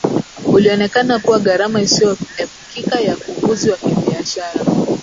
ulionekana kuwa gharama isiyoepukika ya ukuzi wa kibiashara